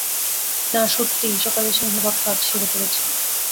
না সত্যিই, সকালে সিংহভাগ কাজ সেরে ফেলেছি।